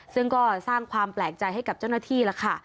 ซึ่งก็สร้างความแปลกใจให้กับเจ้าหน้าที่แล้วค่ะ